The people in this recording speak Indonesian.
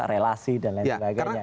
relasi dan lain sebagainya